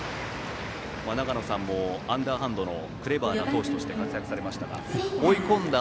長野さんもアンダーハンドのクレバーな投手として活躍されましたが追い込んだ